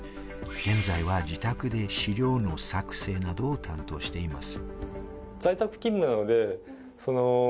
現在は自宅で資料の作成などを担当しています。